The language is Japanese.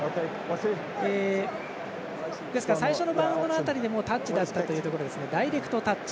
最初のバウンドの辺りでタッチだったということでダイレクトタッチ。